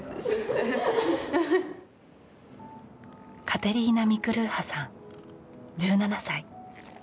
カテリーナ・ミクルーハさん１７歳。